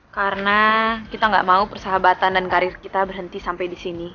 karena kita gak mau persahabatan dan karir kita berhenti sampai disini